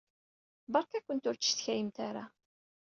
Beṛka-kent ur ttcetkayemt ara!